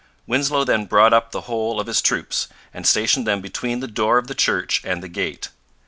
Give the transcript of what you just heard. Winslow then brought up the whole of his troops, and stationed them between the door of the church and the gate.